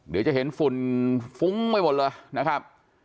เดี๋ยวจะเห็นฝุ่นฟุ้งไปหมดเลยนะครับ